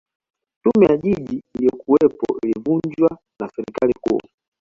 tume ya jiji iliyokuwepo ilivunjwa na serikali kuu